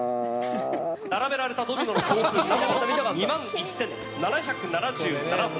並べられたドミノの総数なんと、２万１７７７本。